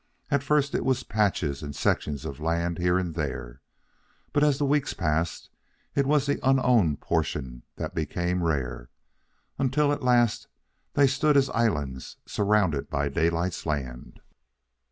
At first it was patches and sections of land here and there; but as the weeks passed it was the unowned portions that became rare, until at last they stood as islands surrounded by Daylight's land.